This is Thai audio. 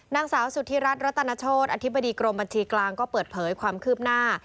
นางสาวสุธิรัฐรัตนโชธอธิบดีกรมบัญชีกลางก็เปิดเผยความคืบหน้า